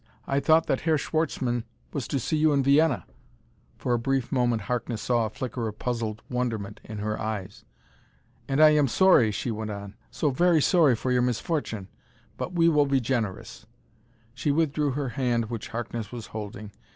I thought that Herr Schwartzmann was to see you in Vienna!" For a brief moment Harkness saw a flicker of puzzled wonderment in her eyes. "And I am sorry," she went on, " so very sorry for your misfortune. But we will be generous." She withdrew her hand which Harkness was holding.